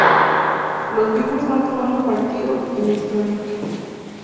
Los mismos van tomando partido en la historia.